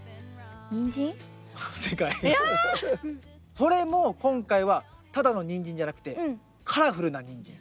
それも今回はただのニンジンじゃなくてカラフルなニンジン。